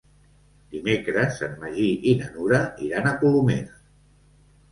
Dimecres en Magí i na Nura iran a Colomers.